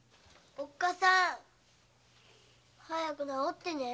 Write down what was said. おっかさん早く治ってね。